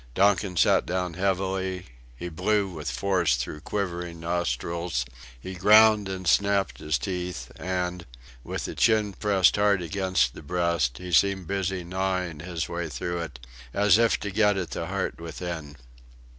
Donkin sat down heavily; he blew with force through quivering nostrils, he ground and snapped his teeth, and, with the chin pressed hard against the breast, he seemed busy gnawing his way through it, as if to get at the heart within....